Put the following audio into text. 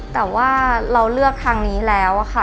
แต่ว่าเราเลือกทางนี้แล้วค่ะ